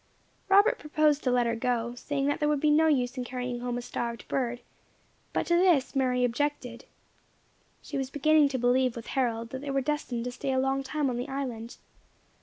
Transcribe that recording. Robert proposed to let her go, saying that there would be no use in carrying home a starved bird; but to this Mary objected. She was beginning to believe with Harold that they were destined to stay a long time on the island.